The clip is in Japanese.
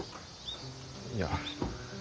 いや。